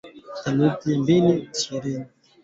Theluthi ya kondoo wanaweza kuathirika katika kundi